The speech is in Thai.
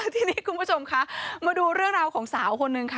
ทีนี้คุณผู้ชมคะมาดูเรื่องราวของสาวคนนึงค่ะ